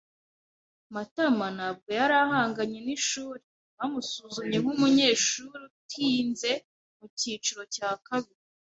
Matama ntabwo yari ahanganye nishuri, bamusuzumye nkumunyeshuri utinze mucyiciro cya kabiri.